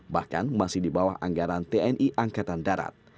bahkan masih di bawah anggaran tni angkatan darat